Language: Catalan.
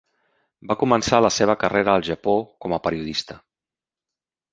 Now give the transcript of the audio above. Va començar la seva carrera al Japó com a periodista.